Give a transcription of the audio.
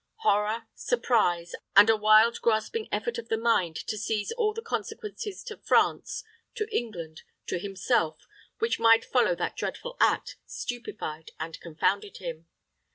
Horror, surprise, and a wild, grasping effort of the mind to seize all the consequences to France, to England, to himself, which might follow that dreadful act, stupefied and confounded him.